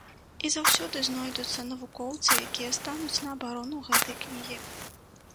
І заўсёды знойдуцца навукоўцы, якія стануць на абарону гэтай кнігі.